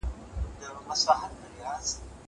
زه مخکي سیر کړی و!!